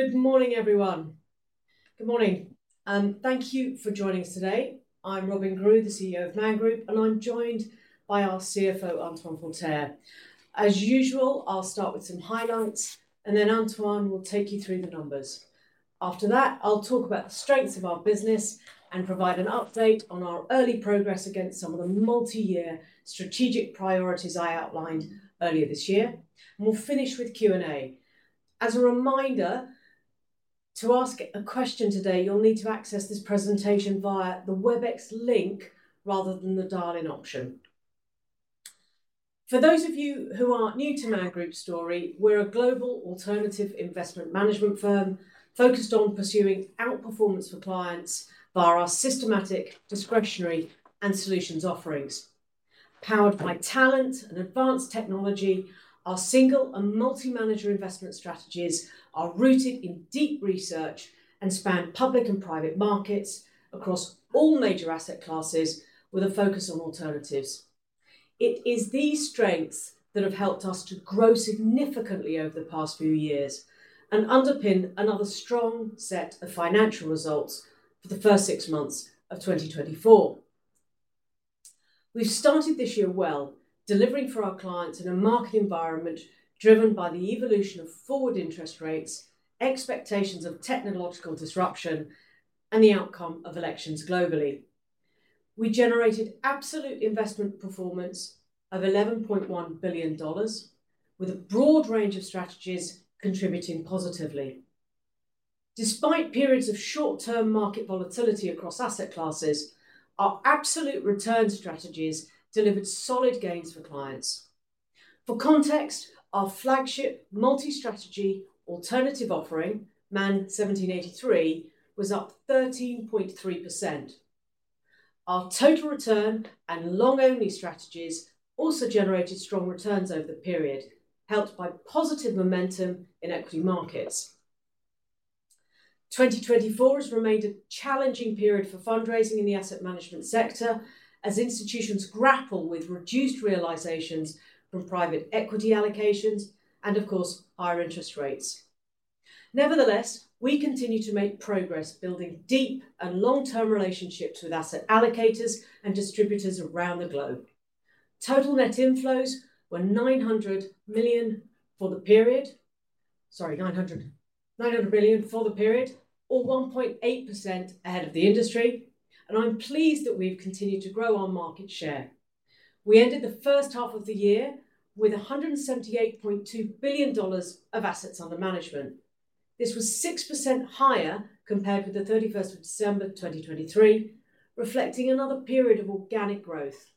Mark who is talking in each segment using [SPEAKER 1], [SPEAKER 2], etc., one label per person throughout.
[SPEAKER 1] Good morning, everyone. Good morning, and thank you for joining us today. I'm Robyn Grew, the CEO of Man Group, and I'm joined by our CFO, Antoine Forterre. As usual, I'll start with some highlights, and then Antoine will take you through the numbers. After that, I'll talk about the strengths of our business and provide an update on our early progress against some of the multi-year strategic priorities I outlined earlier this year. We'll finish with Q&A. As a reminder, to ask a question today, you'll need to access this presentation via the Webex link rather than the dial-in option. For those of you who are new to Man Group's story, we're a global alternative investment management firm focused on pursuing outperformance for clients via our systematic, discretionary, and solutions offerings. Powered by talent and advanced technology, our single and multi-manager investment strategies are rooted in deep research and span public and private markets across all major asset classes, with a focus on alternatives. It is these strengths that have helped us to grow significantly over the past few years and underpin another strong set of financial results for the first six months of 2024. We've started this year well, delivering for our clients in a market environment driven by the evolution of forward interest rates, expectations of technological disruption, and the outcome of elections globally. We generated absolute investment performance of $11.1 billion, with a broad range of strategies contributing positively. Despite periods of short-term market volatility across asset classes, our absolute return strategies delivered solid gains for clients. For context, our flagship multi-strategy alternative offering, Man 1783, was up 13.3%. Our total return and long-only strategies also generated strong returns over the period, helped by positive momentum in equity markets. 2024 has remained a challenging period for fundraising in the asset management sector as institutions grapple with reduced realizations from private equity allocations and, of course, higher interest rates. Nevertheless, we continue to make progress building deep and long-term relationships with asset allocators and distributors around the globe. Total net inflows were $900 million for the period—sorry, $900 billion for the period, or 1.8% ahead of the industry, and I'm pleased that we've continued to grow our market share. We ended the first half of the year with $178.2 billion of assets under management. This was 6% higher compared with December 31, 2023, reflecting another period of organic growth.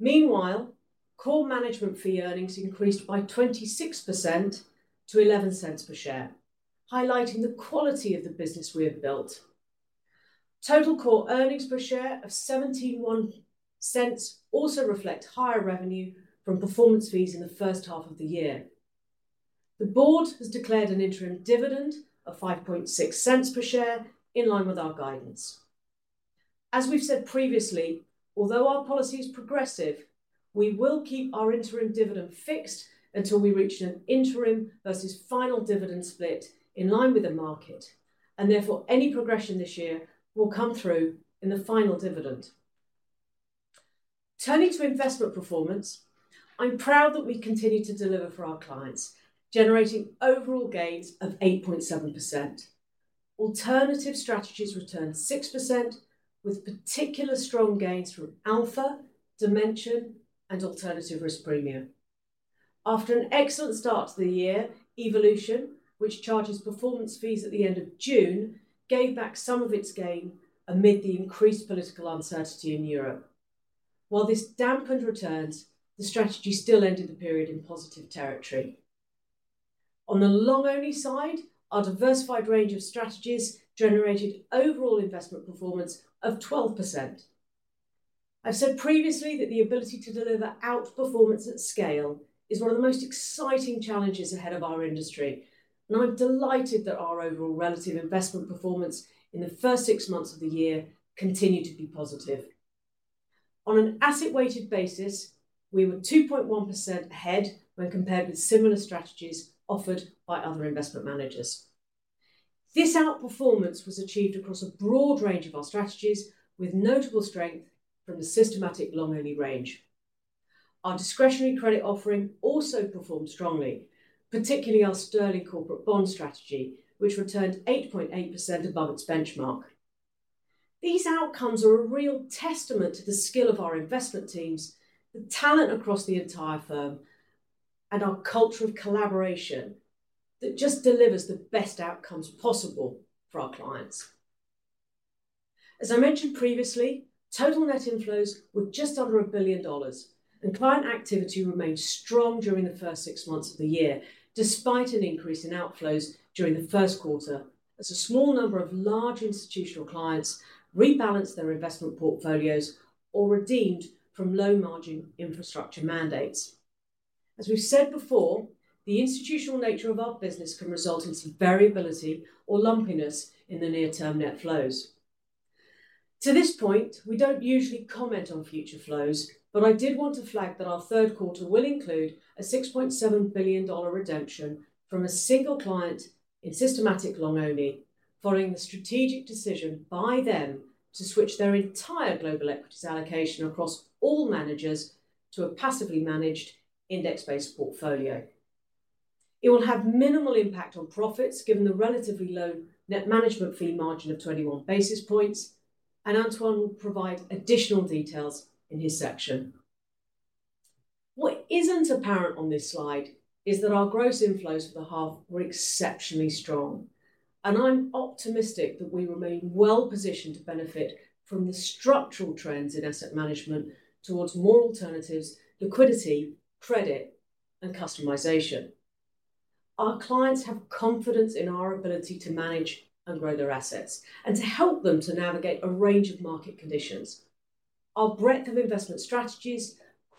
[SPEAKER 1] Meanwhile, core management fee earnings increased by 26% to $0.11 per share, highlighting the quality of the business we have built. Total core earnings per share of $0.171 also reflect higher revenue from performance fees in the first half of the year. The board has declared an interim dividend of $0.056 per share in line with our guidance. As we've said previously, although our policy is progressive, we will keep our interim dividend fixed until we reach an interim versus final dividend split in line with the market, and therefore any progression this year will come through in the final dividend. Turning to investment performance, I'm proud that we continue to deliver for our clients, generating overall gains of 8.7%. Alternative strategies returned 6%, with particularly strong gains from Alpha, Dimension, and Alternative Risk Premia. After an excellent start to the year, Evolution, which charges performance fees at the end of June, gave back some of its gain amid the increased political uncertainty in Europe. While this dampened returns, the strategy still ended the period in positive territory. On the long-only side, our diversified range of strategies generated overall investment performance of 12%. I've said previously that the ability to deliver outperformance at scale is one of the most exciting challenges ahead of our industry, and I'm delighted that our overall relative investment performance in the first six months of the year continued to be positive. On an asset-weighted basis, we were 2.1% ahead when compared with similar strategies offered by other investment managers. This outperformance was achieved across a broad range of our strategies, with notable strength from the systematic long-only range. Our discretionary credit offering also performed strongly, particularly our sterling corporate bond strategy, which returned 8.8% above its benchmark. These outcomes are a real testament to the skill of our investment teams, the talent across the entire firm, and our culture of collaboration that just delivers the best outcomes possible for our clients. As I mentioned previously, total net inflows were just under $1 billion, and client activity remained strong during the first six months of the year, despite an increase in outflows during the first quarter, as a small number of large institutional clients rebalanced their investment portfolios or redeemed from low-margin infrastructure mandates. As we've said before, the institutional nature of our business can result in some variability or lumpiness in the near-term net flows... To this point, we don't usually comment on future flows, but I did want to flag that our third quarter will include a $6.7 billion redemption from a single client in systematic long-only, following the strategic decision by them to switch their entire global equities allocation across all managers to a passively managed index-based portfolio. It will have minimal impact on profits, given the relatively low net management fee margin of 21 basis points, and Antoine will provide additional details in his section. What isn't apparent on this slide is that our gross inflows for the half were exceptionally strong, and I'm optimistic that we remain well positioned to benefit from the structural trends in asset management towards more alternatives, liquidity, credit, and customization. Our clients have confidence in our ability to manage and grow their assets and to help them to navigate a range of market conditions. Our breadth of investment strategies,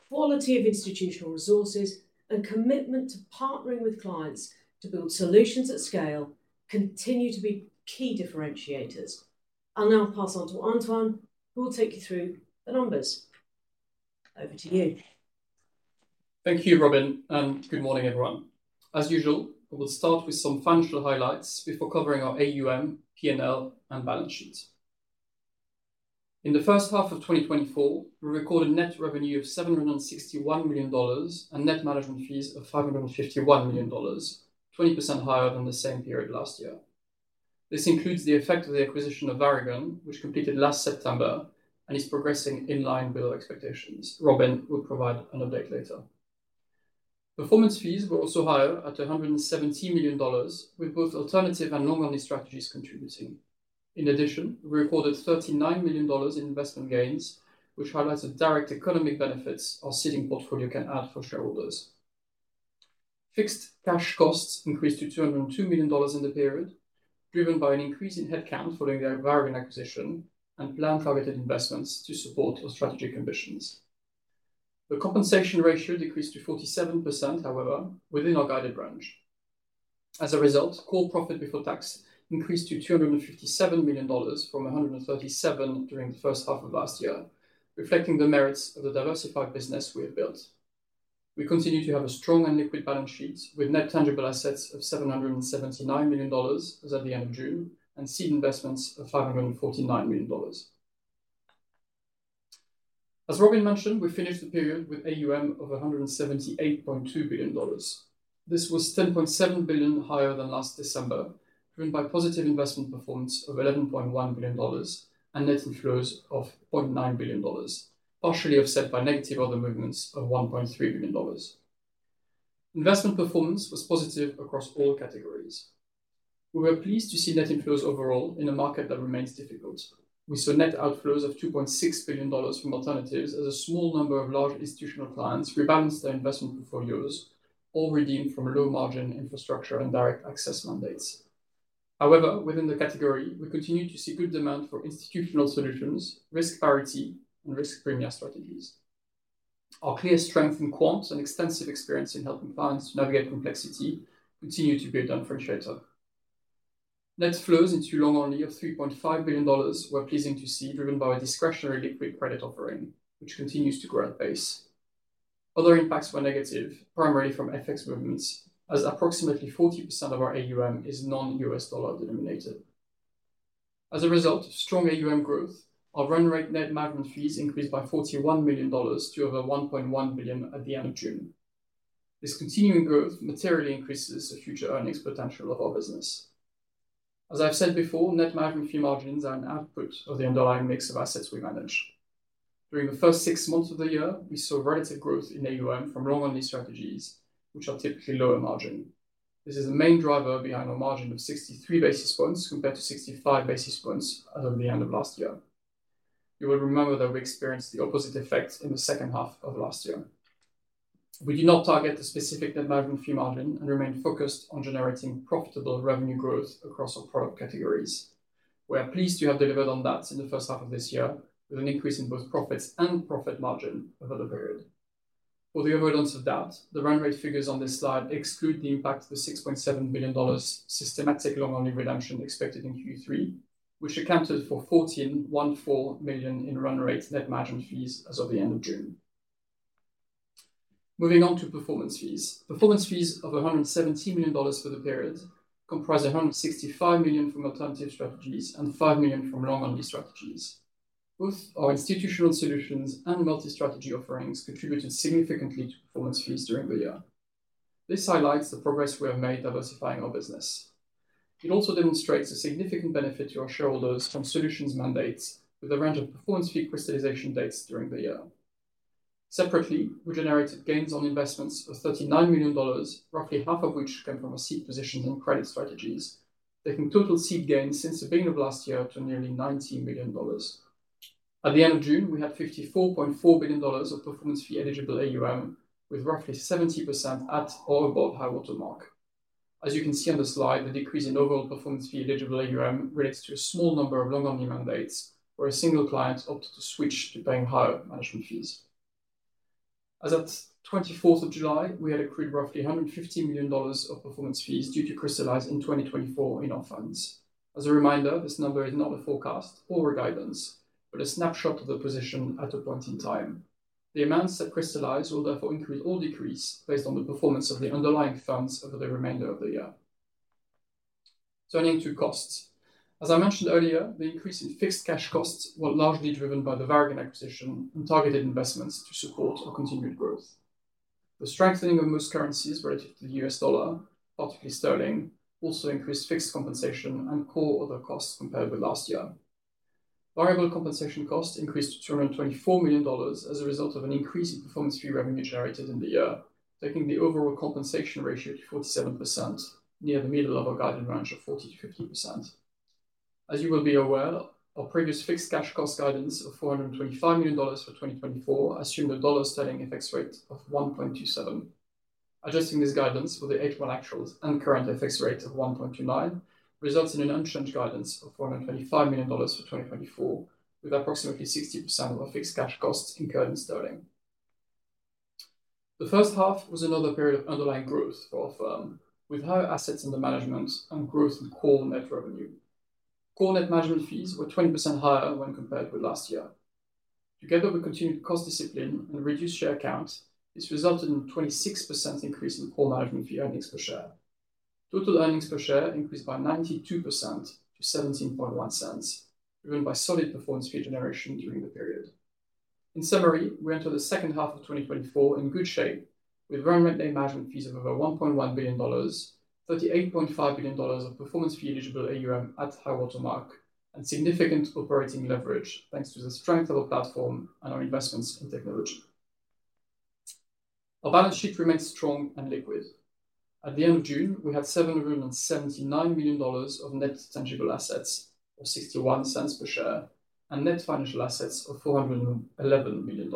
[SPEAKER 1] quality of institutional resources, and commitment to partnering with clients to build solutions at scale continue to be key differentiators. I'll now pass on to Antoine, who will take you through the numbers. Over to you.
[SPEAKER 2] Thank you, Robyn, and good morning, everyone. As usual, I will start with some financial highlights before covering our AUM, P&L, and balance sheet. In the first half of 2024, we recorded net revenue of $761 million and net management fees of $551 million, 20% higher than the same period last year. This includes the effect of the acquisition of Varagon, which completed last September and is progressing in line with our expectations. Robyn will provide an update later. Performance fees were also higher at $117 million, with both alternative and long-only strategies contributing. In addition, we recorded $39 million in investment gains, which highlights the direct economic benefits our strategic portfolio can add for shareholders. Fixed cash costs increased to $202 million in the period, driven by an increase in headcount following the Varagon acquisition and planned targeted investments to support our strategic ambitions. The compensation ratio decreased to 47%, however, within our guided range. As a result, core profit before tax increased to $257 million from $137 million during the first half of last year, reflecting the merits of the diversified business we have built. We continue to have a strong and liquid balance sheet, with net tangible assets of $779 million as at the end of June, and seed investments of $549 million. As Robyn mentioned, we finished the period with AUM of $178.2 billion. This was $10.7 billion higher than last December, driven by positive investment performance of $11.1 billion and net inflows of $0.9 billion, partially offset by negative other movements of $1.3 billion. Investment performance was positive across all categories. We were pleased to see net inflows overall in a market that remains difficult. We saw net outflows of $2.6 billion from alternatives as a small number of large institutional clients rebalanced their investment portfolios or redeemed from low-margin infrastructure and direct access mandates. However, within the category, we continue to see good demand for institutional solutions, risk parity, and risk premia strategies. Our clear strength in quant and extensive experience in helping clients navigate complexity continue to be a differentiator. Net flows into long-only of $3.5 billion were pleasing to see, driven by our discretionary liquid credit offering, which continues to grow at pace. Other impacts were negative, primarily from FX movements, as approximately 40% of our AUM is non- U.S. dollar denominated. As a result of strong AUM growth, our run rate net management fees increased by $41 million to over $1.1 billion at the end of June. This continuing growth materially increases the future earnings potential of our business. As I've said before, net management fee margins are an output of the underlying mix of assets we manage. During the first six months of the year, we saw relative growth in AUM from long-only strategies, which are typically lower margin. This is the main driver behind our margin of 63 basis points compared to 65 basis points at the end of last year. You will remember that we experienced the opposite effect in the second half of last year. We do not target a specific net management fee margin and remain focused on generating profitable revenue growth across our product categories. We are pleased to have delivered on that in the first half of this year, with an increase in both profits and profit margin over the period. For the avoidance of doubt, the run rate figures on this slide exclude the impact of the $6.7 billion systematic long-only redemption expected in Q3, which accounted for $14.14 million in run rate net management fees as of the end of June. Moving on to performance fees. Performance fees of $117 million for the period comprised $165 million from alternative strategies and $5 million from long-only strategies. Both our institutional solutions and multi-strategy offerings contributed significantly to performance fees during the year. This highlights the progress we have made diversifying our business. It also demonstrates a significant benefit to our shareholders from solutions mandates, with a range of performance fee crystallization dates during the year. Separately, we generated gains on investments of $39 million, roughly half of which came from our seed positions in credit strategies, taking total seed gains since the beginning of last year to nearly $90 million. At the end of June, we had $54.4 billion of performance fee eligible AUM, with roughly 70% at or above high water mark. As you can see on the slide, the decrease in overall performance fee eligible AUM relates to a small number of long-only mandates where a single client opted to switch to paying higher management fees. As at July 24, we had accrued roughly $150 million of performance fees due to crystallize in 2024 in our funds. As a reminder, this number is not a forecast or a guidance, but a snapshot of the position at a point in time. The amounts that crystallize will therefore increase or decrease based on the performance of the underlying funds over the remainder of the year. Turning to costs. As I mentioned earlier, the increase in fixed cash costs were largely driven by the Varagon acquisition and targeted investments to support our continued growth. The strengthening of most currencies relative to the U.S. dollar, particularly sterling, also increased fixed compensation and core other costs compared with last year. Variable compensation costs increased to $224 million as a result of an increase in performance fee revenue generated in the year, taking the overall compensation ratio to 47%, near the middle of our guidance range of 40%-50%. As you will be aware, our previous fixed cash cost guidance of $425 million for 2024 assumed a dollar sterling FX rate of 1.27. Adjusting this guidance for the H1 actuals and current FX rate of 1.29, results in an unchanged guidance of $425 million for 2024, with approximately 60% of our fixed cash costs incurred in sterling. The first half was another period of underlying growth for our firm, with higher assets under management and growth in core net revenue. Core net management fees were 20% higher when compared with last year. Together with continued cost discipline and reduced share count, this resulted in a 26% increase in core management fee earnings per share. Total earnings per share increased by 92% to $0.171, driven by solid performance fee generation during the period. In summary, we enter the second half of 2024 in good shape, with run rate management fees of over $1.1 billion, $38.5 billion of performance fee eligible AUM at high water mark, and significant operating leverage, thanks to the strength of our platform and our investments in technology. Our balance sheet remains strong and liquid. At the end of June, we had $779 million of net tangible assets, or $0.61 per share, and net financial assets of $411 million.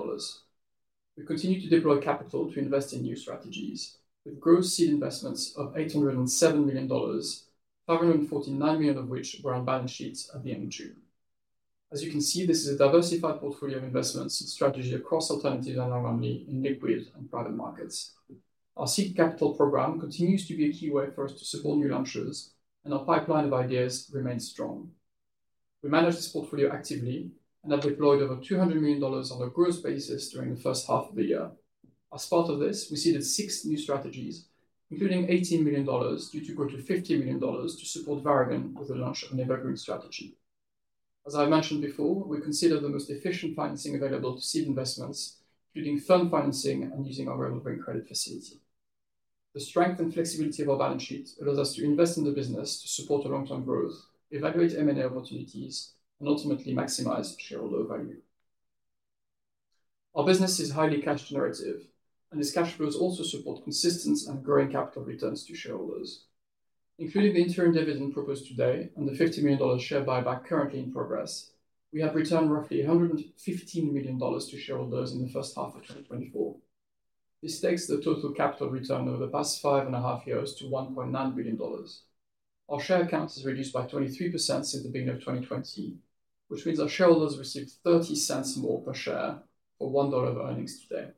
[SPEAKER 2] We continue to deploy capital to invest in new strategies, with gross seed investments of $807 million, $549 million of which were on balance sheets at the end of June. As you can see, this is a diversified portfolio of investments and strategy across alternatives and ultimately in liquid and private markets. Our seed capital program continues to be a key way for us to support new launches, and our pipeline of ideas remains strong. We manage this portfolio actively and have deployed over $200 million on a gross basis during the first half of the year. As part of this, we seeded six new strategies, including $18 million, due to grow to $50 million to support Varagon with the launch of an evergreen strategy. As I mentioned before, we consider the most efficient financing available to seed investments, including fund financing and using our revolving credit facility. The strength and flexibility of our balance sheet allows us to invest in the business to support our long-term growth, evaluate M&A opportunities, and ultimately maximize shareholder value. Our business is highly cash generative, and its cash flows also support consistent and growing capital returns to shareholders. Including the interim dividend proposed today and the $50 million share buyback currently in progress, we have returned roughly $115 million to shareholders in the first half of 2024. This takes the total capital return over the past 5.5 years to $1.9 billion. Our share count has reduced by 23% since the beginning of 2020, which means our shareholders received $0.30 more per share for $1 of earnings today.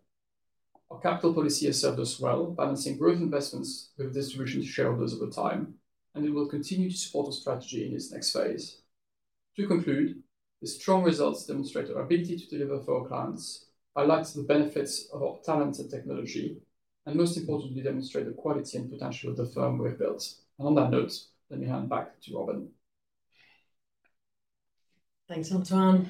[SPEAKER 2] Our capital policy has served us well, balancing growth investments with distribution to shareholders over time, and it will continue to support our strategy in its next phase. To conclude, the strong results demonstrate our ability to deliver for our clients, highlight the benefits of our talent and technology, and most importantly, demonstrate the quality and potential of the firm we have built. On that note, let me hand back to Robyn.
[SPEAKER 1] Thanks, Antoine.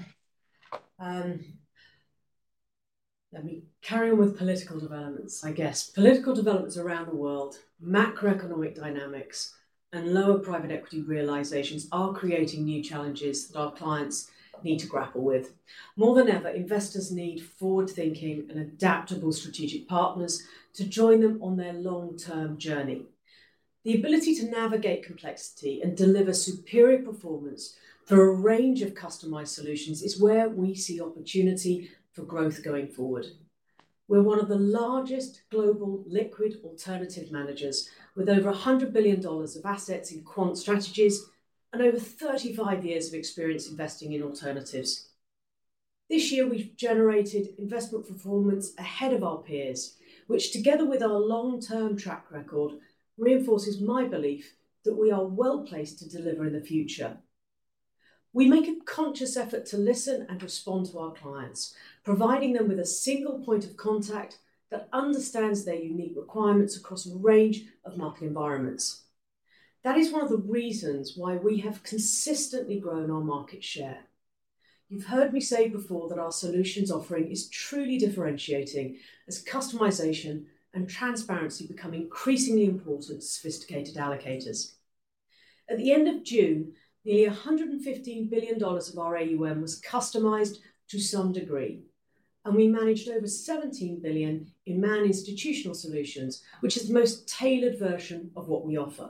[SPEAKER 1] Let me carry on with political developments, I guess. Political developments around the world, macroeconomic dynamics, and lower private equity realizations are creating new challenges that our clients need to grapple with. More than ever, investors need forward-thinking and adaptable strategic partners to join them on their long-term journey. The ability to navigate complexity and deliver superior performance through a range of customized solutions is where we see opportunity for growth going forward. We're one of the largest global liquid alternative managers, with over $100 billion of assets in quant strategies and over 35 years of experience investing in alternatives. This year, we've generated investment performance ahead of our peers, which, together with our long-term track record, reinforces my belief that we are well-placed to deliver in the future. We make a conscious effort to listen and respond to our clients, providing them with a single point of contact that understands their unique requirements across a range of market environments. That is one of the reasons why we have consistently grown our market share. You've heard me say before that our solutions offering is truly differentiating as customization and transparency become increasingly important to sophisticated allocators. At the end of June, nearly $115 billion of our AUM was customized to some degree, and we managed over $17 billion in Man Institutional Solutions, which is the most tailored version of what we offer.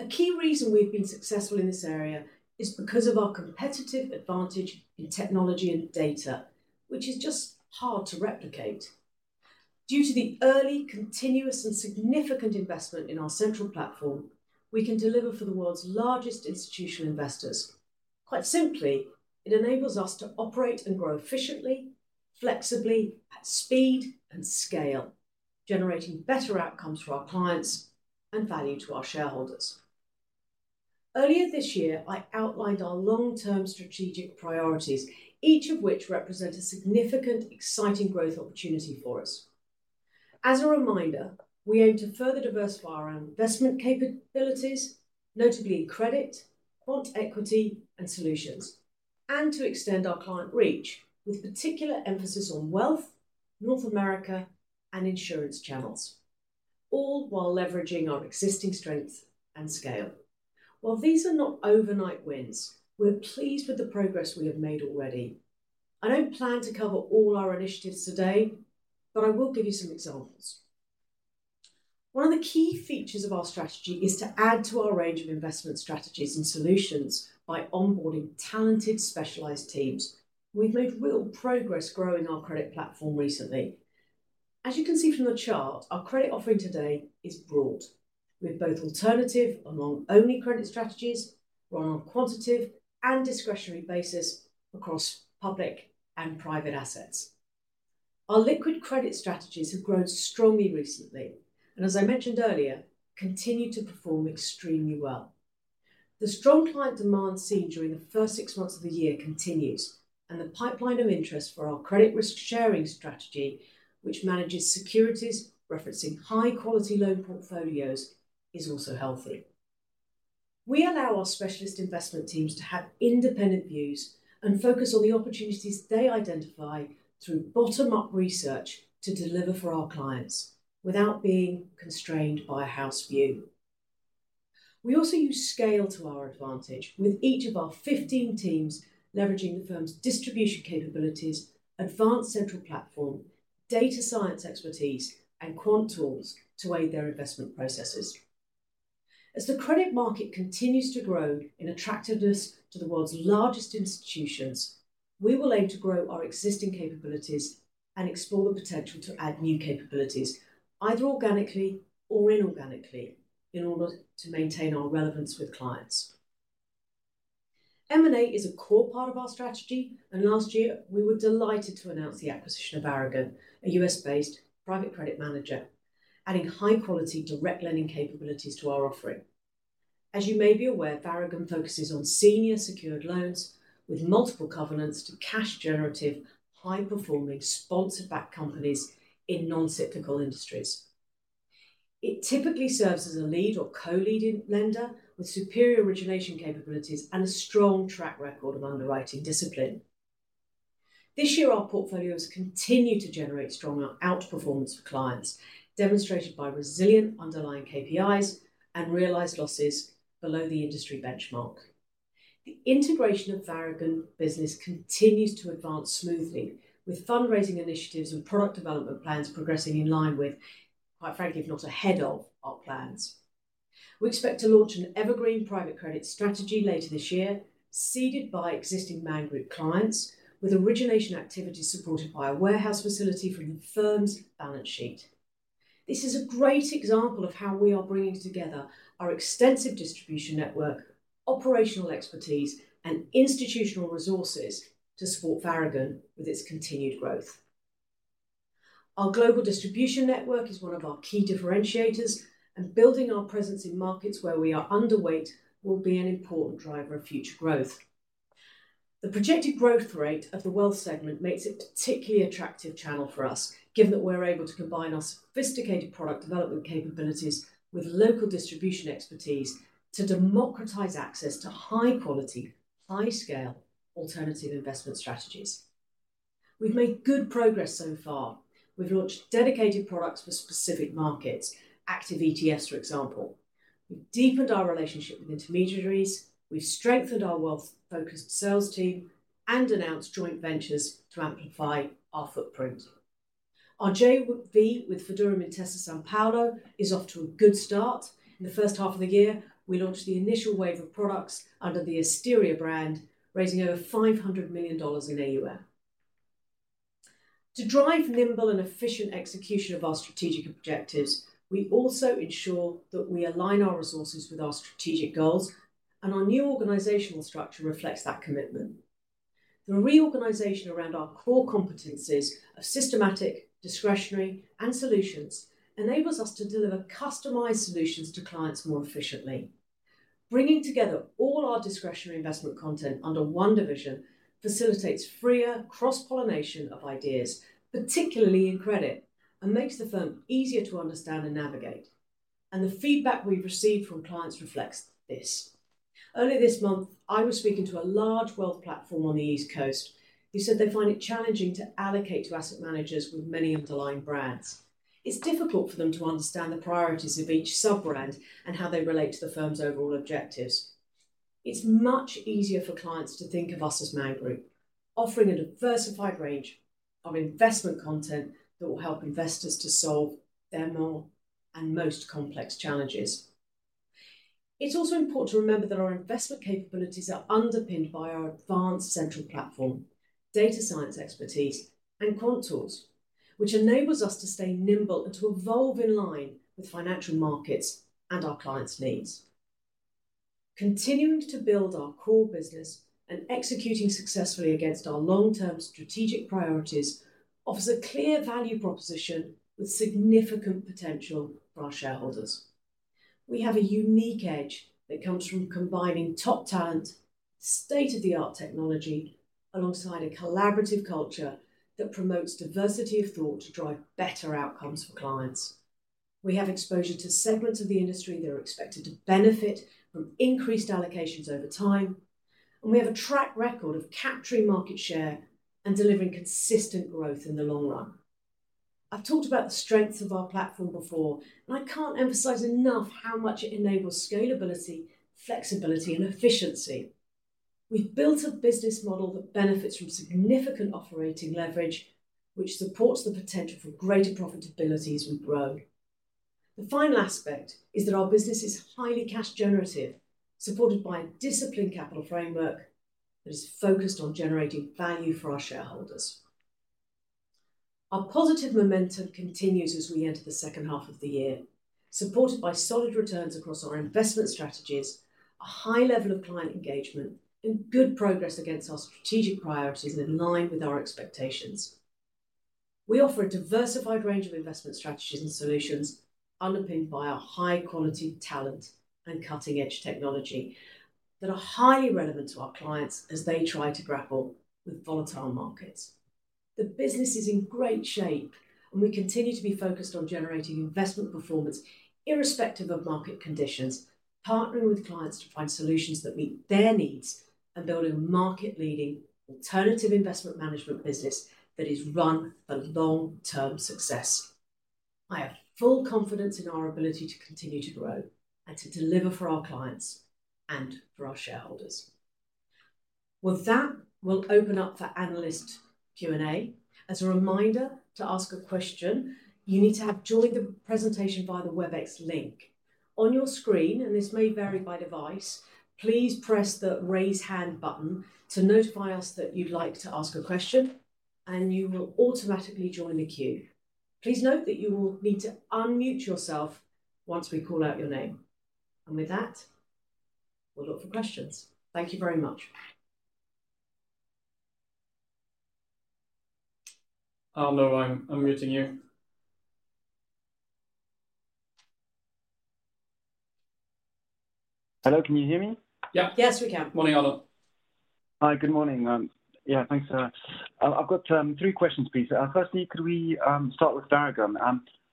[SPEAKER 1] A key reason we've been successful in this area is because of our competitive advantage in technology and data, which is just hard to replicate.... Due to the early, continuous, and significant investment in our central platform, we can deliver for the world's largest institutional investors. Quite simply, it enables us to operate and grow efficiently, flexibly, at speed and scale, generating better outcomes for our clients and value to our shareholders. Earlier this year, I outlined our long-term strategic priorities, each of which represent a significant, exciting growth opportunity for us. As a reminder, we aim to further diversify our investment capabilities, notably credit, quant equity, and solutions, and to extend our client reach, with particular emphasis on wealth, North America, and insurance channels, all while leveraging our existing strength and scale. While these are not overnight wins, we're pleased with the progress we have made already. I don't plan to cover all our initiatives today, but I will give you some examples. One of the key features of our strategy is to add to our range of investment strategies and solutions by onboarding talented, specialized teams. We've made real progress growing our credit platform recently. As you can see from the chart, our credit offering today is broad, with both alternative and long-only credit strategies run on quantitative and discretionary bases across public and private assets. Our liquid credit strategies have grown strongly recently and, as I mentioned earlier, continue to perform extremely well. The strong client demand seen during the first six months of the year continues, and the pipeline of interest for our credit risk sharing strategy, which manages securities referencing high-quality loan portfolios, is also healthy. We allow our specialist investment teams to have independent views and focus on the opportunities they identify through bottom-up research to deliver for our clients without being constrained by a house view. We also use scale to our advantage with each of our 15 teams leveraging the firm's distribution capabilities, advanced central platform, data science expertise, and quant tools to aid their investment processes. As the credit market continues to grow in attractiveness to the world's largest institutions, we will aim to grow our existing capabilities and explore the potential to add new capabilities, either organically or inorganically, in order to maintain our relevance with clients. M&A is a core part of our strategy, and last year we were delighted to announce the acquisition of Varagon, a U.S.-based private credit manager, adding high-quality direct lending capabilities to our offering. As you may be aware, Varagon focuses on senior secured loans with multiple covenants to cash-generative, high-performing, sponsor-backed companies in non-cyclical industries. It typically serves as a lead or co-leading lender with superior origination capabilities and a strong track record of underwriting discipline. This year, our portfolios continue to generate strong outperformance for clients, demonstrated by resilient underlying KPIs and realized losses below the industry benchmark. The integration of Varagon business continues to advance smoothly with fundraising initiatives and product development plans progressing in line with, quite frankly, if not ahead of, our plans. We expect to launch an evergreen private credit strategy later this year, seeded by existing Man Group clients, with origination activities supported by a warehouse facility from the firm's balance sheet. This is a great example of how we are bringing together our extensive distribution network, operational expertise, and institutional resources to support Varagon with its continued growth. Our global distribution network is one of our key differentiators, and building our presence in markets where we are underweight will be an important driver of future growth. The projected growth rate of the wealth segment makes it a particularly attractive channel for us, given that we're able to combine our sophisticated product development capabilities with local distribution expertise to democratize access to high quality, high scale alternative investment strategies. We've made good progress so far. We've launched dedicated products for specific markets, active ETFs, for example. We've deepened our relationship with intermediaries. We've strengthened our wealth-focused sales team and announced joint ventures to amplify our footprint. Our JV with Fideuram in Intesa Sanpaolo, is off to a good start. In the first half of the year, we launched the initial wave of products under the Asteria brand, raising over $500 million in AUM. To drive nimble and efficient execution of our strategic objectives, we also ensure that we align our resources with our strategic goals, and our new organizational structure reflects that commitment. The reorganization around our core competencies of systematic, discretionary, and solutions enables us to deliver customized solutions to clients more efficiently. Bringing together all our discretionary investment content under one division facilitates freer cross-pollination of ideas, particularly in credit, and makes the firm easier to understand and navigate. The feedback we've received from clients reflects this. Earlier this month, I was speaking to a large wealth platform on the East Coast, who said they find it challenging to allocate to asset managers with many underlying brands. It's difficult for them to understand the priorities of each sub-brand and how they relate to the firm's overall objectives. It's much easier for clients to think of us as Man Group, offering a diversified range of investment content that will help investors to solve their more and most complex challenges.... It's also important to remember that our investment capabilities are underpinned by our advanced central platform, data science expertise, and quant tools, which enables us to stay nimble and to evolve in line with financial markets and our clients' needs. Continuing to build our core business and executing successfully against our long-term strategic priorities offers a clear value proposition with significant potential for our shareholders. We have a unique edge that comes from combining top talent, state-of-the-art technology, alongside a collaborative culture that promotes diversity of thought to drive better outcomes for clients. We have exposure to segments of the industry that are expected to benefit from increased allocations over time, and we have a track record of capturing market share and delivering consistent growth in the long run. I've talked about the strengths of our platform before, and I can't emphasize enough how much it enables scalability, flexibility, and efficiency. We've built a business model that benefits from significant operating leverage, which supports the potential for greater profitability as we grow. The final aspect is that our business is highly cash generative, supported by a disciplined capital framework that is focused on generating value for our shareholders. Our positive momentum continues as we enter the second half of the year, supported by solid returns across our investment strategies, a high level of client engagement, and good progress against our strategic priorities and in line with our expectations. We offer a diversified range of investment strategies and solutions underpinned by our high-quality talent and cutting-edge technology that are highly relevant to our clients as they try to grapple with volatile markets. The business is in great shape, and we continue to be focused on generating investment performance irrespective of market conditions, partnering with clients to find solutions that meet their needs, and building a market-leading alternative investment management business that is run for long-term success. I have full confidence in our ability to continue to grow and to deliver for our clients and for our shareholders. With that, we'll open up for analyst Q&A. As a reminder, to ask a question, you need to have joined the presentation via the Webex link. On your screen, and this may vary by device, please press the Raise Hand button to notify us that you'd like to ask a question, and you will automatically join the queue. Please note that you will need to unmute yourself once we call out your name. With that, we'll look for questions. Thank you very much.
[SPEAKER 2] Arnaud, I'm muting you.
[SPEAKER 3] Hello, can you hear me?
[SPEAKER 2] Yep.
[SPEAKER 1] Yes, we can.
[SPEAKER 2] Morning, Arnaud.
[SPEAKER 3] Hi, good morning. Yeah, thanks. I've got three questions, please. Firstly, could we start with Varagon?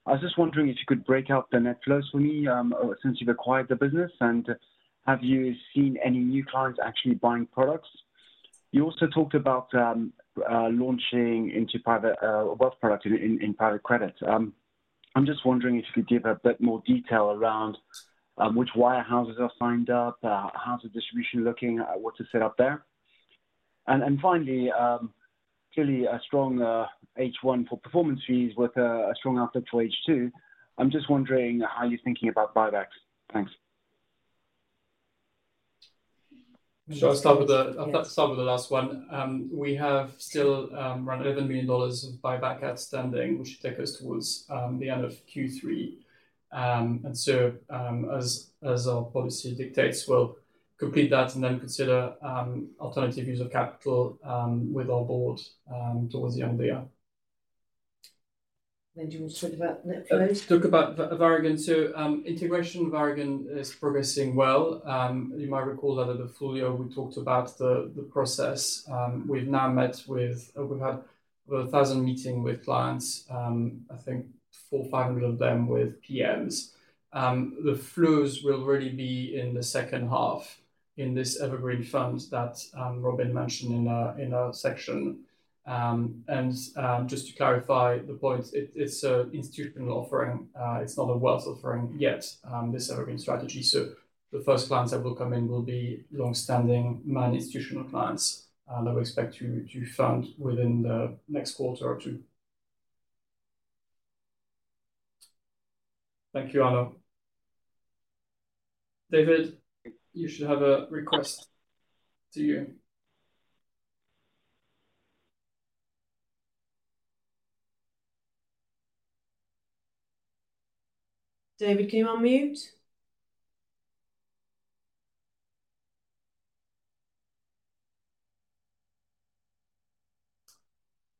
[SPEAKER 3] I was just wondering if you could break out the net flows for me, since you've acquired the business, and have you seen any new clients actually buying products? You also talked about launching into private wealth products in private credit. I'm just wondering if you could give a bit more detail around which wirehouses are signed up, how's the distribution looking, what to set up there? And finally, clearly a strong H1 for performance fees with a strong output for H2. I'm just wondering how you're thinking about buybacks. Thanks.
[SPEAKER 2] I'll start with the-
[SPEAKER 1] Yes.
[SPEAKER 2] I'll start with the last one. We have still around $11 million of buyback outstanding, which should take us towards the end of Q3. And so, as our policy dictates, we'll complete that and then consider alternative use of capital with our board towards the end of the year.
[SPEAKER 1] Do you want to talk about net flows?
[SPEAKER 2] Talk about Varagon. So, integration of Varagon is progressing well. You might recall that at the full year, we talked about the process. We've now met with... We've had over 1,000 meetings with clients, I think 400, 500 of them with PMs. The flows will really be in the second half in this evergreen fund that Robyn mentioned in our section. And just to clarify the point, it's an institutional offering. It's not a wealth offering yet, this evergreen strategy. So the first clients that will come in will be long-standing, managed institutional clients, and I would expect to fund within the next quarter or two. Thank you, Arnaud. David, you should have a request to you.
[SPEAKER 1] David, can you unmute?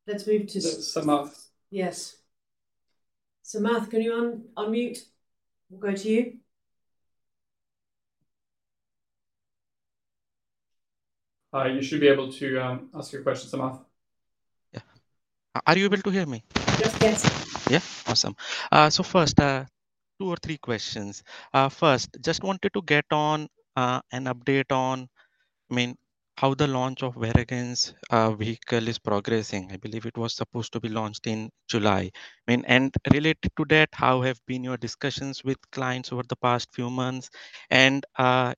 [SPEAKER 1] Let's move to-
[SPEAKER 2] Samarth.
[SPEAKER 1] Yes. Samarth, can you unmute? We'll go to you.
[SPEAKER 2] You should be able to ask your question, Samarth.
[SPEAKER 3] Yeah. Are you able to hear me?
[SPEAKER 1] Yes, yes.
[SPEAKER 3] Yeah? Awesome. So first, two or three questions. First, just wanted to get on, an update on, I mean, how the launch of Varagon's vehicle is progressing. I believe it was supposed to be launched in July. I mean, and related to that, how have been your discussions with clients over the past few months? And,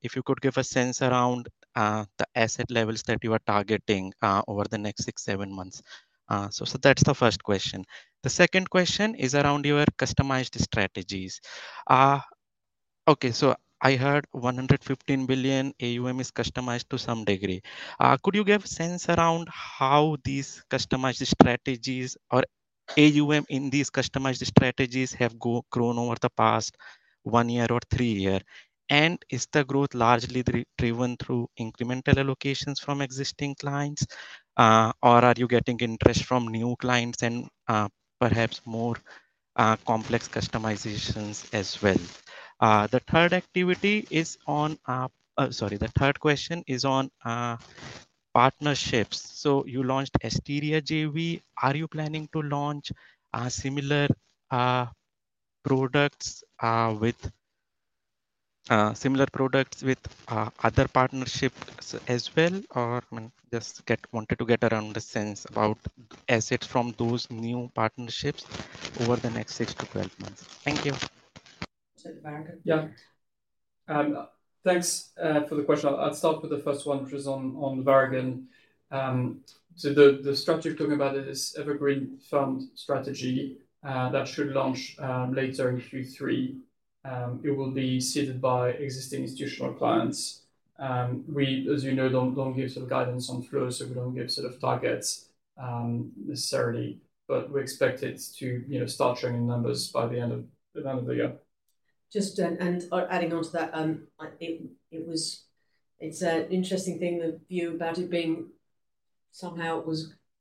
[SPEAKER 3] if you could give a sense around, the asset levels that you are targeting, over the next six, seven months. So, that's the first question. The second question is around your customized strategies.... Okay, so I heard $115 billion AUM is customized to some degree. Could you give a sense around how these customized strategies or AUM in these customized strategies have grown over the past one year or three year? And is the growth largely driven through incremental allocations from existing clients, or are you getting interest from new clients and, perhaps more, complex customizations as well? Sorry, the third question is on partnerships. So you launched Asteria JV. Are you planning to launch similar products with other partnerships as well? Or wanted to get a sense about assets from those new partnerships over the next 6-12 months. Thank you.
[SPEAKER 1] So Varagon.
[SPEAKER 2] Yeah. Thanks for the question. I'll start with the first one, which is on, on Varagon. So the, the structure you're talking about is evergreen fund strategy that should launch later in Q3. It will be seeded by existing institutional clients. We, as you know, don't, don't give sort of guidance on flows, so we don't give sort of targets necessarily, but we expect it to, you know, start showing numbers by the end of, the end of the year.
[SPEAKER 1] Just adding on to that, it's an interesting thing, the view about it being somehow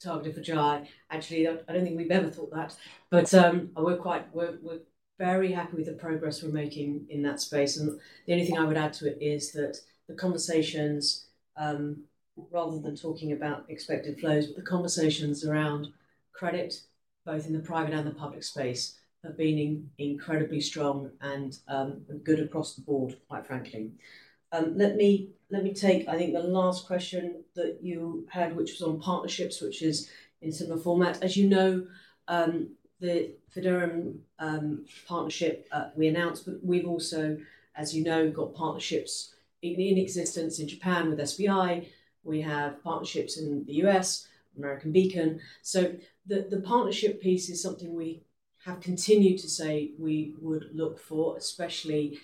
[SPEAKER 1] targeted for GI. Actually, I don't think we've ever thought that, but we're very happy with the progress we're making in that space. And the only thing I would add to it is that the conversations, rather than talking about expected flows, the conversations around credit, both in the private and the public space, have been incredibly strong and good across the board, quite frankly. Let me take, I think, the last question that you had, which was on partnerships, which is in similar format. As you know, the Fideuram partnership we announced, but we've also, as you know, got partnerships in existence in Japan with SBI. We have partnerships in the U.S., American Beacon. So the partnership piece is something we have continued to say we would look for, especially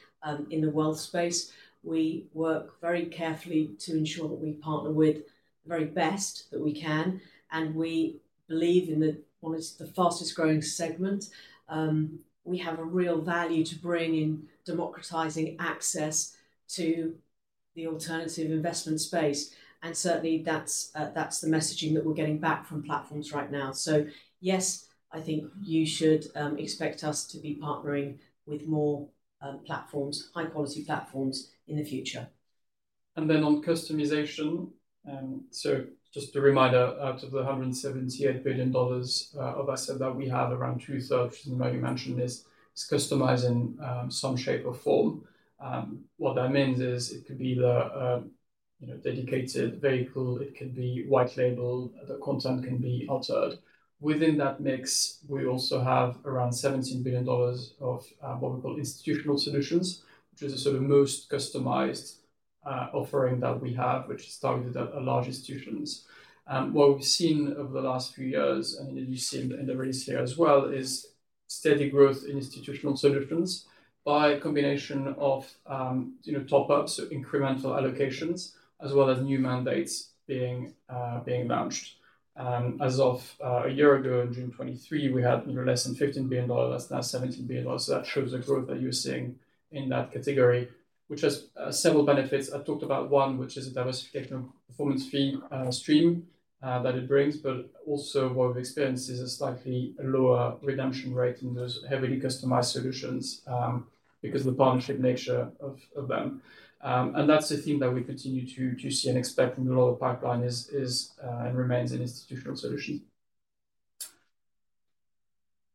[SPEAKER 1] in the wealth space. We work very carefully to ensure that we partner with the very best that we can, and we believe in the one of the fastest growing segment. We have a real value to bring in democratizing access to the alternative investment space, and certainly that's the messaging that we're getting back from platforms right now. So, yes, I think you should expect us to be partnering with more platforms, high quality platforms in the future. And then on customization. So just a reminder, out of the $178 billion of assets that we have, around two-thirds, you mentioned this, is customized in some shape or form. What that means is it could be the, you know, dedicated vehicle, it could be white label, the content can be altered. Within that mix, we also have around $17 billion of what we call institutional solutions, which is the sort of most customized offering that we have, which is targeted at large institutions. What we've seen over the last few years, and you've seen in the release here as well, is steady growth in institutional solutions by a combination of, you know, top ups, so incremental allocations, as well as new mandates being launched. As of a year ago, in June 2023, we had less than $15 billion. That's now $17 billion. So that shows the growth that you're seeing in that category, which has several benefits. I talked about one, which is a diversification performance fee stream that it brings, but also what we've experienced is a slightly lower redemption rate in those heavily customized solutions because of the partnership nature of them. And that's the theme that we continue to see and expect from the lower pipeline and remains an institutional solution.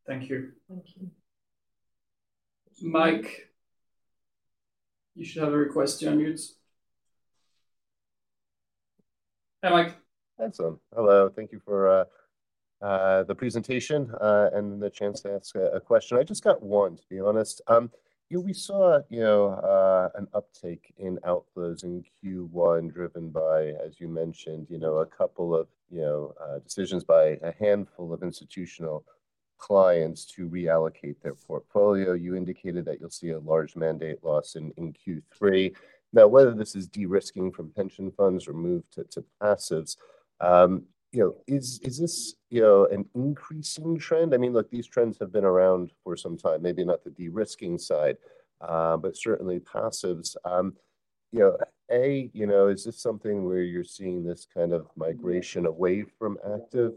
[SPEAKER 1] Thank you. Thank you.
[SPEAKER 2] Mike, you should have a request to unmute. Hi, Mike.
[SPEAKER 3] Awesome. Hello, thank you for the presentation and the chance to ask a question. I just got one, to be honest. We saw, you know, an uptake in outflows in Q1, driven by, as you mentioned, you know, a couple of, you know, decisions by a handful of institutional clients to reallocate their portfolio. You indicated that you'll see a large mandate loss in Q3. Now, whether this is de-risking from pension funds or move to passives, you know, is this an increasing trend? I mean, look, these trends have been around for some time, maybe not the de-risking side, but certainly passives. You know, is this something where you're seeing this kind of migration away from active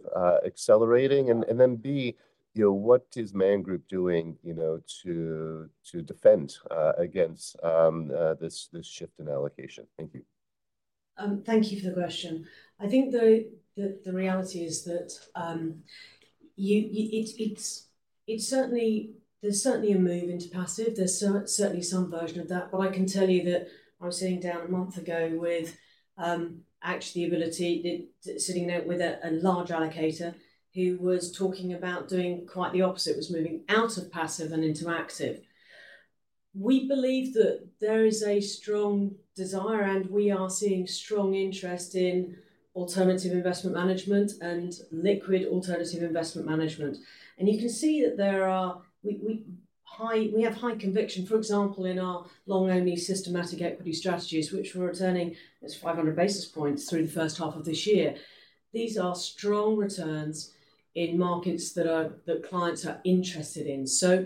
[SPEAKER 3] accelerating? And then, B, you know, what is Man Group doing, you know, to defend against this shift in allocation? Thank you.
[SPEAKER 1] Thank you for the question. I think the reality is that it's certainly—there's certainly a move into passive. There's certainly some version of that. But I can tell you that I was sitting down a month ago with actually, sitting down with a large allocator who was talking about doing quite the opposite, was moving out of passive and into active. We believe that there is a strong desire, and we are seeing strong interest in alternative investment management and liquid alternative investment management. And you can see that we have high conviction, for example, in our long-only systematic equity strategies, which were returning 500 basis points through the first half of this year. These are strong returns in markets that clients are interested in. So,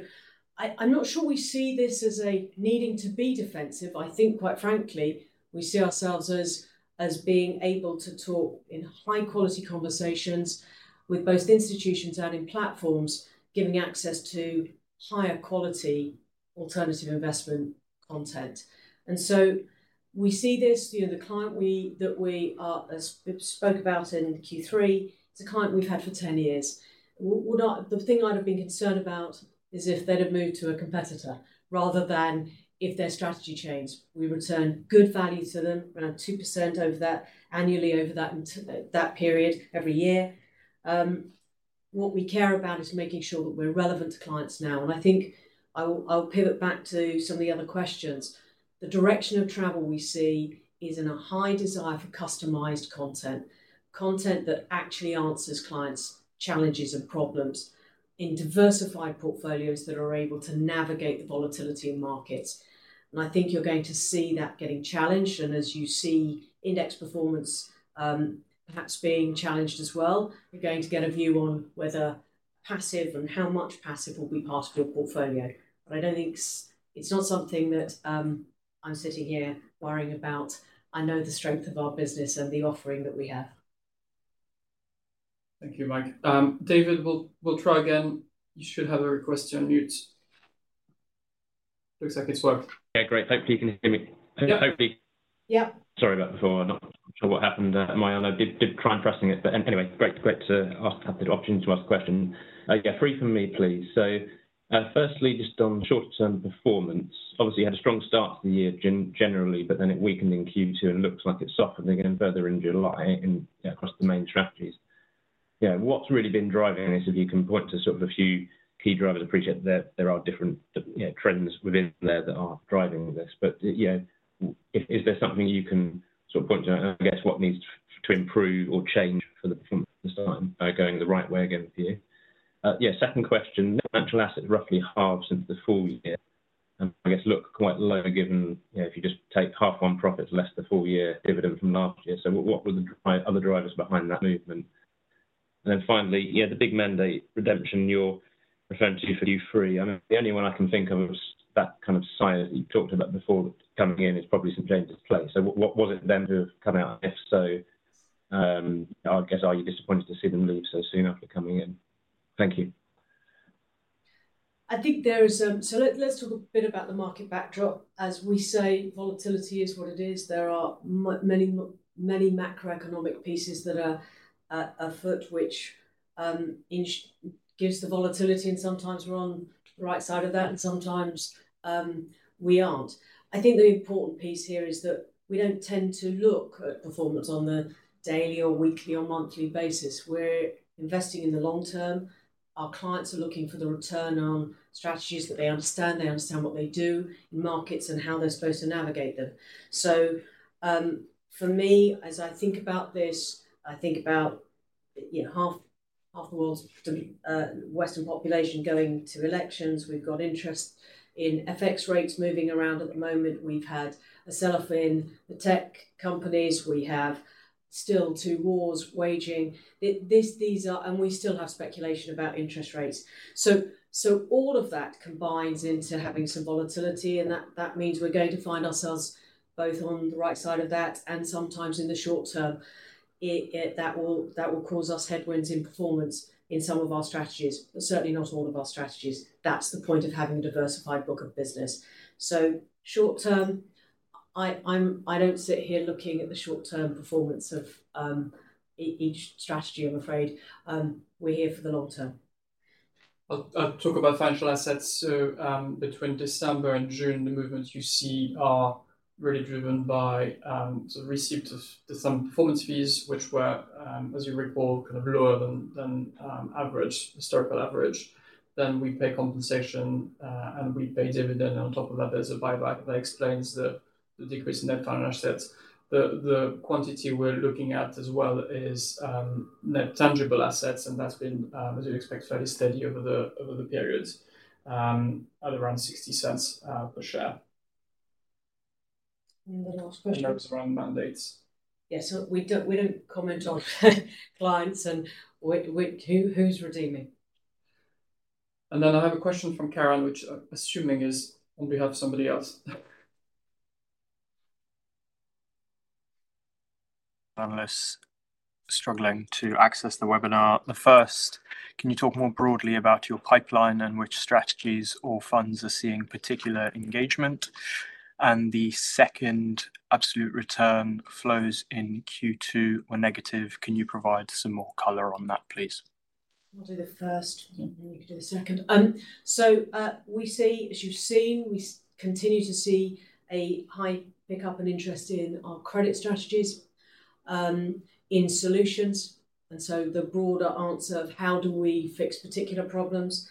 [SPEAKER 1] I'm not sure we see this as a needing to be defensive. I think, quite frankly, we see ourselves as being able to talk in high quality conversations with both institutions and in platforms, giving access to higher quality alternative investment content. And so we see this, you know, the client that we are, as we spoke about in Q3, it's a client we've had for 10 years. We're not. The thing I'd have been concerned about is if they'd have moved to a competitor rather than if their strategy changed. We return good value to them, around 2% over that, annually over that, into that period, every year. What we care about is making sure that we're relevant to clients now, and I think I will pivot back to some of the other questions. The direction of travel we see is in a high desire for customized content, content that actually answers clients' challenges and problems in diversified portfolios that are able to navigate the volatility in markets. And I think you're going to see that getting challenged, and as you see index performance, perhaps being challenged as well, you're going to get a view on whether passive and how much passive will be part of your portfolio. But I don't think it's not something that, I'm sitting here worrying about. I know the strength of our business and the offering that we have.
[SPEAKER 2] Thank you, Mike. David, we'll, we'll try again. You should have a request to unmute. Looks like it's worked.
[SPEAKER 3] Yeah, great. Hopefully, you can hear me.
[SPEAKER 2] Yep.
[SPEAKER 1] Yep.
[SPEAKER 3] Sorry about before. Not sure what happened at my end. I did try pressing it, but anyway, great to have the opportunity to ask a question. Yeah, three from me, please. So, firstly, just on short-term performance, obviously, you had a strong start to the year generally, but then it weakened in Q2 and looks like it softened again further in July and across the main strategies. Yeah, what's really been driving this, if you can point to sort of a few key drivers? I appreciate that there are different, you know, trends within there that are driving this. But, you know, is there something you can sort of point to, and I guess, what needs to improve or change for the performance to start going the right way again for you? Yeah, second question. Financial assets roughly halved since the full year, and I guess look quite low, given, you know, if you just take half on profits less the full year dividend from last year. So what, what were the other drivers behind that movement? And then finally, yeah, the big mandate redemption you're referring to for Q3. I mean, the only one I can think of was that kind of size that you talked about before coming in is probably St. James's Place. So what, what was it then to have come out? If so, I guess, are you disappointed to see them leave so soon after coming in? Thank you.
[SPEAKER 1] I think there is. So, let's talk a bit about the market backdrop. As we say, volatility is what it is. There are many macroeconomic pieces that are afoot, which instigates the volatility, and sometimes we're on the right side of that, and sometimes we aren't. I think the important piece here is that we don't tend to look at performance on a daily or weekly or monthly basis. We're investing in the long term. Our clients are looking for the return on strategies that they understand. They understand what they do in markets and how they're supposed to navigate them. So, for me, as I think about this, I think about, you know, half the world's Western population going to elections. We've got interest rates and FX rates moving around at the moment. We've had a sell-off in the tech companies. We have still two wars waging. These are—and we still have speculation about interest rates. So all of that combines into having some volatility, and that means we're going to find ourselves both on the right side of that and sometimes in the short term. That will cause us headwinds in performance in some of our strategies, but certainly not all of our strategies. That's the point of having a diversified book of business. So short term, I don't sit here looking at the short-term performance of each strategy, I'm afraid. We're here for the long term.
[SPEAKER 2] I'll talk about financial assets. So, between December and June, the movements you see are really driven by the receipt of some performance fees, which were, as you recall, kind of lower than average, historical average. Then we pay compensation, and we pay dividend. On top of that, there's a buyback that explains the decrease in net finance assets. The quantity we're looking at as well is net tangible assets, and that's been, as you'd expect, fairly steady over the periods, at around $0.60 per share.
[SPEAKER 1] The last question-
[SPEAKER 2] And then around mandates.
[SPEAKER 1] Yeah, so we don't comment on clients and who is redeeming.
[SPEAKER 2] Then I have a question from Karen, which I'm assuming is on behalf of somebody else.
[SPEAKER 3] Analysts struggling to access the webinar. The first, can you talk more broadly about your pipeline and which strategies or funds are seeing particular engagement? And the second, absolute return flows in Q2 were negative. Can you provide some more color on that, please?
[SPEAKER 1] I'll do the first-
[SPEAKER 2] Mm-hmm.
[SPEAKER 1] and you can do the second. So, we see, as you've seen, we continue to see a high pickup in interest in our credit strategies, in solutions. And so the broader answer of how do we fix particular problems,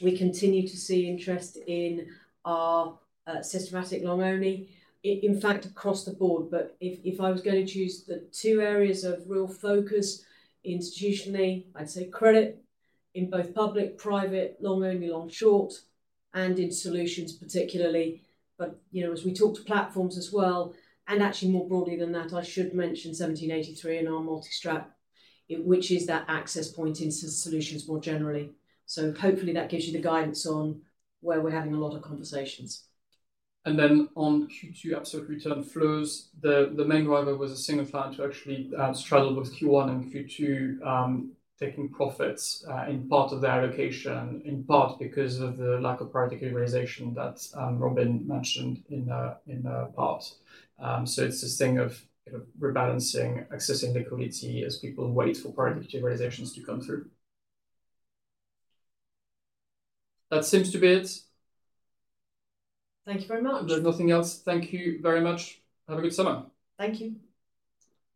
[SPEAKER 1] we continue to see interest in our, systematic long-only, in fact, across the board. But if, if I was going to choose the two areas of real focus, institutionally, I'd say credit in both public, private, long only, long-short, and in solutions particularly. But, you know, as we talk to platforms as well, and actually more broadly than that, I should mention 1783 and our multi-strat, it, which is that access point into solutions more generally. So hopefully that gives you the guidance on where we're having a lot of conversations.
[SPEAKER 2] Then on Q2 absolute return flows, the main driver was a single fund to actually straddle with Q1 and Q2, taking profits in part of their allocation, in part because of the lack of private equalization that Robin mentioned in, in a part. So it's this thing of rebalancing, accessing liquidity as people wait for private equalizations to come through. That seems to be it.
[SPEAKER 1] Thank you very much.
[SPEAKER 2] If there's nothing else, thank you very much. Have a good summer.
[SPEAKER 1] Thank you.